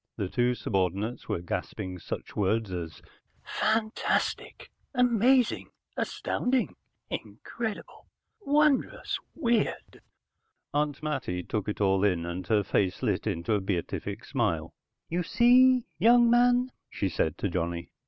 The two subordinates were gasping such words as "Fantastic, amazing, astounding, incredible, wondrous, weird". Aunt Mattie took it all in, and her face lit into a beatific smile. "You see, young man," she said to Johnny.